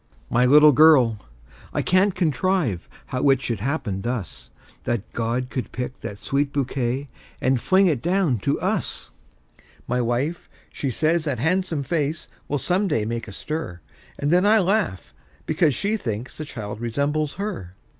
My little girl—I can't contrive how it should happen thus— That God could pick that sweet bouquet, and fling it down to us! My wife, she says that han'some face will some day make a stir; And then I laugh, because she thinks the child resembles her.